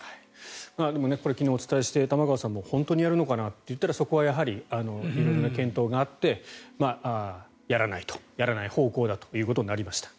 でも、これは昨日お伝えして、玉川さんも本当にやるのかな？と言ったらそこは色々な検討があってやらない方向だということになりました。